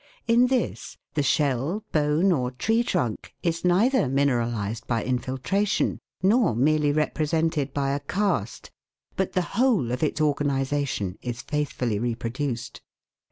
In this the shell, bone, or tree 258 THE WORLD'S LUMBER ROOM. trunk is neither mineralised by infiltration, nor merely repre sented by a cast, but the whole of its organisation is faith fully reproduced.